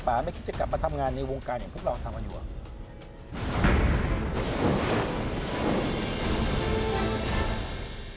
ป่าไม่คิดจะกลับมาทำงานในวงการอย่างที่พวกเราทำอยู่